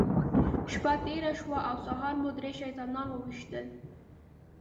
شپه تېره شوه او سهار مو درې شیطانان وويشتل.